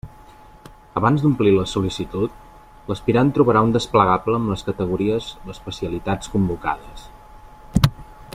Abans d'omplir la sol·licitud, l'aspirant trobarà un desplegable amb les categories o especialitats convocades.